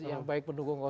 yang baik pendukung satu